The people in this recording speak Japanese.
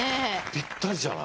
ぴったりじゃない。